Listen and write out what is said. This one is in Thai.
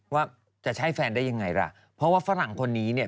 ว่าจะใช่แฟนได้ยังไงล่ะเพราะว่าฝรั่งคนนี้เนี่ย